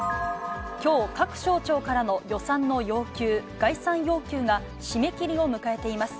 きょう、各省庁からの予算の要求、概算要求が締め切りを迎えています。